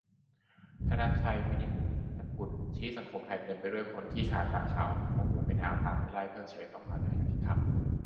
ธงชัย วินิจจะกูล ชี้สังคมไทยเต็มไปด้วยคนขี้ขลาดตาขาว เอาหูไปนาเอาตาไปไร่ เพิกเฉยต่อความอยุติธรรม